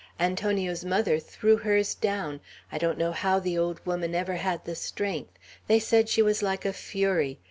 Antonio's mother threw hers down; I don't know how the old woman ever had the strength; they said she was like a fury.